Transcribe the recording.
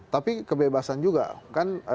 tapi kebebasan juga kan